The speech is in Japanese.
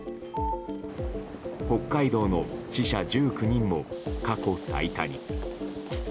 北海道の死者１９人も過去最多に。